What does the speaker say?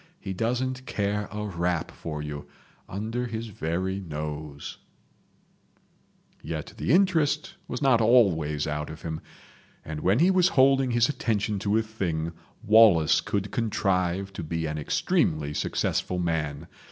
He doesn't care a rap for you—under his very nose ....." Yet the interest was not always out of him, and when he was holding his attention to a thing Wallace could contrive to be an extremely successful man.